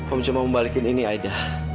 om cuma membalikkan ini aida